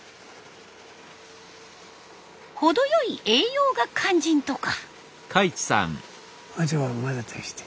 程よい栄養が肝心とか。